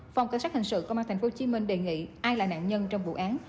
phòng cảnh sát hình sự công an tp hcm đề nghị ai là nạn nhân trong vụ án